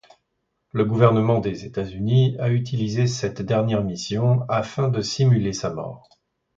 Le gouvernement des États-Unis a utilisé cette dernière mission afin de simuler sa mort.